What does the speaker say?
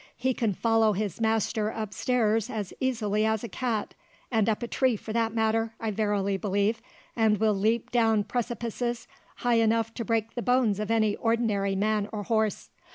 He can follow his master up stairs as easily as a cat, and up a tree for that matter, I verily believe, and will leap down precipices high enough to break the bones of any ordinary man or horse.